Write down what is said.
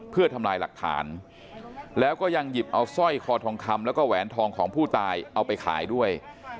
เพื่อทำลายหลักฐานแล้วก็ยังหยิบเอาสร้อยคอทองคำแล้วก็แหวนทองของผู้ตายเอาไปขายด้วย